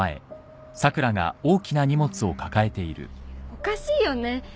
おかしいよね？